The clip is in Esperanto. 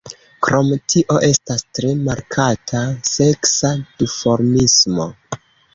Krom tio estas tre markata seksa duformismo.